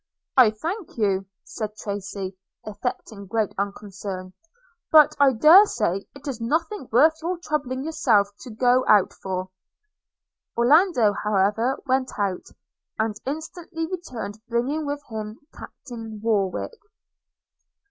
'I thank you,' cried Tracy, affecting great unconcern, 'but I dare say it is nothing worth your troubling yourself to go out for.' Orlando, however, went out, and instantly returned bringing with him Captain Warwick.